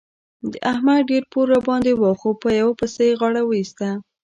د احمد ډېر پور راباندې وو خو په یوه پسه يې غاړه وېسته.